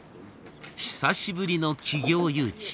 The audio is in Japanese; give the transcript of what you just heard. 久しぶりの企業誘致。